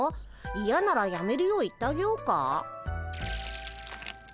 いやならやめるよう言ってあげようか？